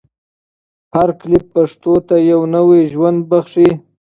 هر کلیپ پښتو ته یو نوی ژوند بښي.